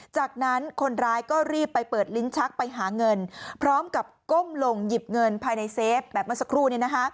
จากนั้นคนร้ายก็รีบไปเปิดลิ้นชักไปหาเงินพร้อมกับก้มลงหยิบเงินภายในเซฟแบบเมื่อสักครู่